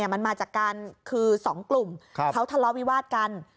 มันมาจากการคือ๒กลุ่มเขาทะเลาะวิวาดกัน